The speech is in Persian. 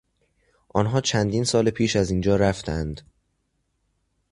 آنها چندین سال پیش از اینجا رفتند.